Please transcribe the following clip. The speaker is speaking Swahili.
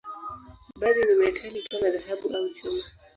Baadhi ni metali, kama dhahabu au chuma.